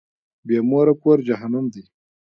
بی موره کور جهنم دی.